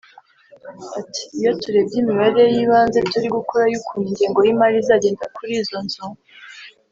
Ati “Iyo turebye imibare y’ibanze turi gukora y’ukuntu ingengo y’imari izagenda kuri izo nzu